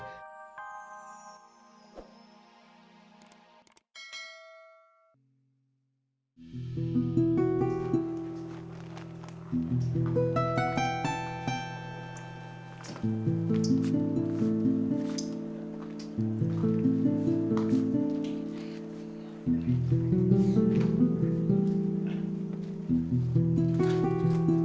di dunia pian